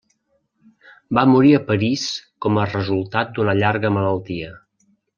Va morir a París com a resultat d'una llarga malaltia.